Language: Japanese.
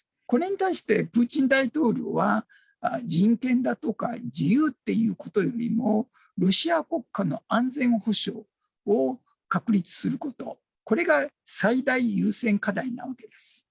これに対してプーチン大統領は、人権だとか自由っていうことよりもロシア国家の安全保障を確立すること、これが最大優先課題なわけです。